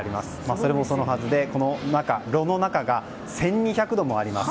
それもそのはずで、炉の中が１２００度もあります。